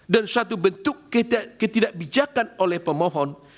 dan suatu bentuk ketidakbijakan oleh pemohon